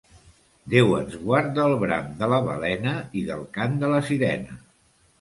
Déu ens guard del bram de la balena i del cant de la sirena.